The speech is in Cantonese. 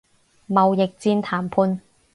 貿易戰談判